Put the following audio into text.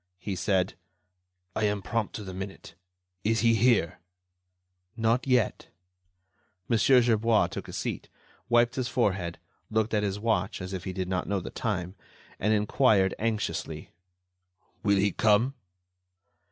He said: "I am prompt to the minute. Is he here?" "Not yet." Mon. Gerbois took a seat, wiped his forehead, looked at his watch as if he did not know the time, and inquired, anxiously: "Will he come?"